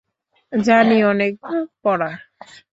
জানি, অনেক পড়া।